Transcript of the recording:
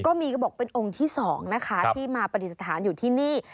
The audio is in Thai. ก็มีก็บอกเป็นองค์ที่๒นะคะที่มาปฏิสถานอยู่ที่นี่